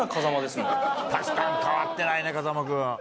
確かに変わってないね風間君。